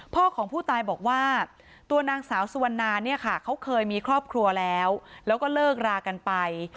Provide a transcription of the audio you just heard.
พ่อของผู้ตายบอกว่าตัวนางสาวสุวรรณาเนี่ยค่ะเขาเคยมีครอบครัวแล้วแล้วก็เลิกรากันไป